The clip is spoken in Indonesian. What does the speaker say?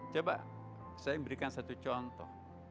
coba saya memberikan satu contoh